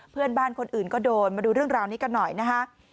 เพื่อนบ้านคนอื่นก็โดนมาดูเรื่องราวนี้กันหน่อยนะคะ